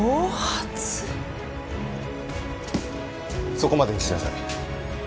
そこまでにしなさい。